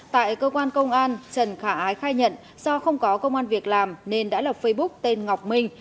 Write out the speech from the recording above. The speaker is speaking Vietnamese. tại cơ quan công an trần khả ái khai nhận do không có công an việc làm nên đã lập facebook tên ngọc minh